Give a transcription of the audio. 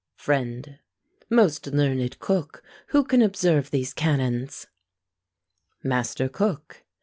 FRIEND. Most learned cook, who can observe these canons MASTER COOK.